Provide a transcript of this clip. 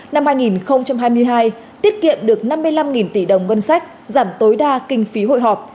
năm hai nghìn hai mươi hai tiết kiệm được năm mươi năm tỷ đồng ngân sách giảm tối đa kinh phí hội họp